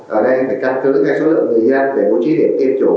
ở đây phải căn cứ các số lượng người dân để bố trí điểm tiêm chủ